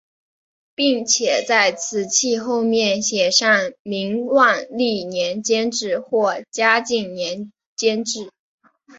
并且在瓷器后面写上明万历年间制或嘉靖年间制。